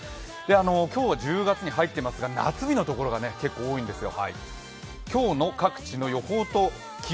今日は１０月に入っていますが夏日のところが多いですよ。